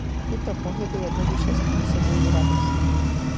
Tyto pohyby jednoduše způsobují radost.